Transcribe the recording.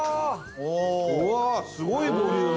うわー、すごいボリューム！